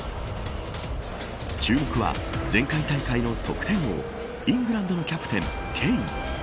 注目は、前回大会の得点王イングランドのキャプテンケイン。